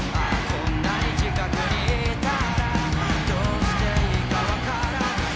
こんなに近くにいたらどうしていいか判らない